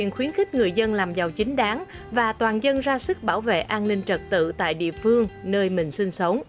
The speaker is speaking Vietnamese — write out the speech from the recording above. khuyến khích người dân làm giàu chính đáng và toàn dân ra sức bảo vệ an ninh trật tự tại địa phương nơi mình sinh sống